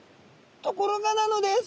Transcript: ところがなのです！